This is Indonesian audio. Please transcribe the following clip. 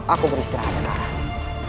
aku beristirahat sekarang